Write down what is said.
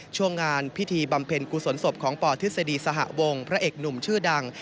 ช่วงงานพิธีบำเพ็ญกุศลศพของปทฤษฎีสหวงพระเอกหนุ่มชื่อดัง